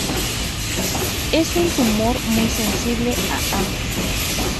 Es un tumor muy sensible a ambas.